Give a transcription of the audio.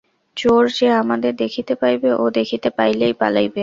চোর যে আমাদের দেখিতে পাইবে ও দেখিতে পাইলেই পালাইবে।